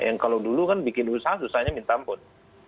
yang kalau dulu kan bikin usaha susahnya minta ampun